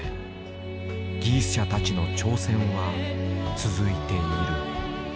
技術者たちの挑戦は続いている。